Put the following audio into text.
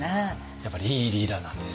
やっぱりいいリーダーなんですよ。